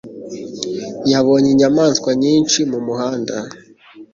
Yabonye inyamaswa nyinshi mumuhanda.